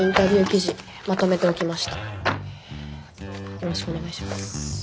よろしくお願いします。